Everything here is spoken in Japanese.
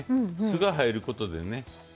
酢が入ることでね